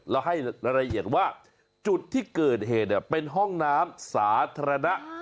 แล้วให้รายละเอียดว่าจุดที่เกิดเหตุเป็นห้องน้ำสาธารณะ